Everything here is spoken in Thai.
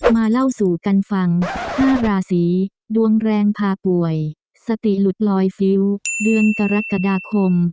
มาเล่าสู่กันฟัง๕ราศีดวงแรงพาป่วยสติหลุดลอยฟิ้วเดือนกรกฎาคม